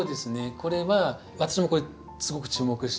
これは私もこれすごく注目してる。